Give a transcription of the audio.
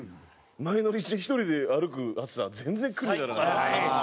前乗りして１人で歩く暑さは全然苦にならない。